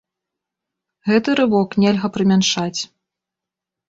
Гэты рывок нельга прымяншаць.